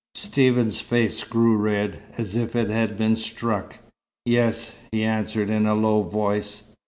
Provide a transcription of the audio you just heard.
Stephen's face grew red, as if it had been struck. "Yes," he answered, in a low voice.